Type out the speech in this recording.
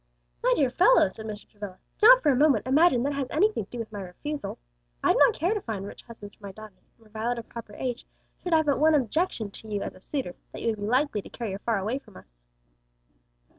"My dear fellow," said Mr. Travilla, "do not for a moment imagine that has anything to do with my refusal. I do not care to find rich husbands for my daughters, and were Violet of proper age, should have but one objection to you as a suitor; that you would be likely to carry her far away from us."